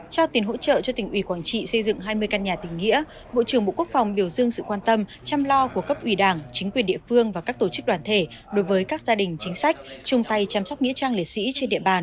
trao tiền hỗ trợ cho tỉnh ủy quảng trị xây dựng hai mươi căn nhà tỉnh nghĩa bộ trưởng bộ quốc phòng biểu dương sự quan tâm chăm lo của cấp ủy đảng chính quyền địa phương và các tổ chức đoàn thể đối với các gia đình chính sách chung tay chăm sóc nghĩa trang liệt sĩ trên địa bàn